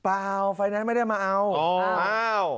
เปล่าไฟแนนซ์ไม่ได้มาเอาอ๋ออ้าว